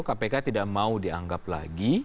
kpk tidak mau dianggap lagi